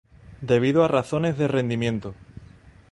Debido a razones de rendimiento,